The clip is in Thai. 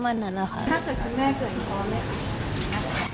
ถ้าเกิดคุณแม่เกิดอีกรอบมั้ย